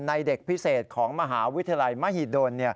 เด็กพิเศษของมหาวิทยาลัยมหิดล